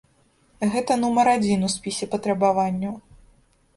Гэта нумар адзін у спісе патрабаванняў.